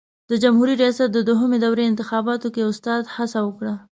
د جمهوري ریاست د دوهمې دورې انتخاباتو کې استاد هڅه وکړه.